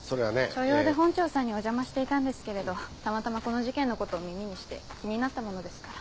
所用で本庁さんにお邪魔していたんですけれどたまたまこの事件のことを耳にして気になったものですから。